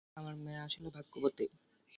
আমার মেয়ে আসলে ভাগ্যবতী।